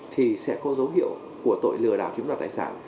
thì sẽ có dấu hiệu của tội lừa đảo chiếm đoạt tài sản